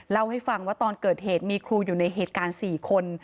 เล่าให้ฟังว่าตอนเกิดเหตุมีครูอยู่ในเหตุการณ์๔คน